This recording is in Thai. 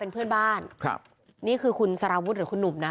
เป็นเพื่อนบ้านครับนี่คือคุณสารวุฒิหรือคุณหนุ่มนะ